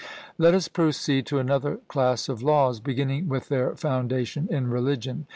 Let us proceed to another class of laws, beginning with their foundation in religion.